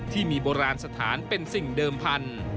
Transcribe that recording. ที่มีโบราณสถานเป็นสิ่งเดิมพันธุ์